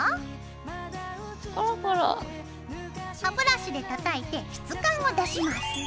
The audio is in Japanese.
歯ブラシで叩いて質感を出します。